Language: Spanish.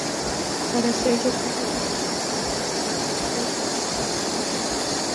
Para cello solo y recitado, sobre poemas de Eduardo Godoy.